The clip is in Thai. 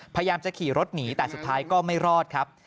พยายามจะขี่รถหนีแต่สุดท้ายก็ไม่รอดครับ